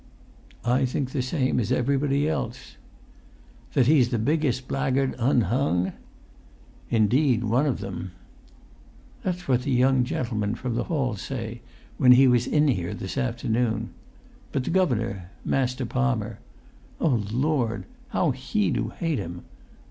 "I think the same as everybody else." "That he's the biggest blackguard unhung?" "Indeed, one of them!" "That's what the young gentleman from the hall say, when he was in here this afternoon. But the governor, Master Palmer—O Lord! how he do hate him!